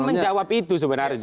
kan menjawab itu sebenarnya